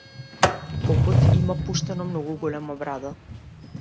Попот има пуштено многу голема брада.